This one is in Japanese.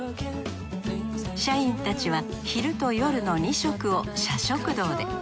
社員たちは昼と夜の２食を社食堂で。